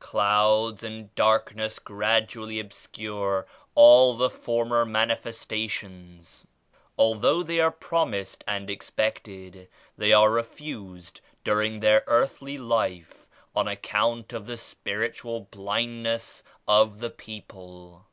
Clouds and darkness gradually obscure all the former Manifestations. Although they are promised and expected, they are refused during their earthly life on account of the spiritual blindness of the people.